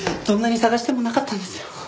どんなに捜してもなかったんですよ。